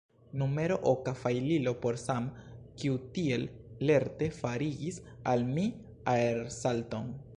Numero oka: Fajlilo; por Sam, kiu tiel lerte farigis al mi aersalton.